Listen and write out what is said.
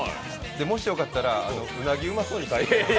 もしよかったらうなぎうまそうに変えてください。